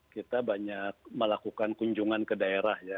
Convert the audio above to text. kita banyak melakukan kunjungan ke daerah ya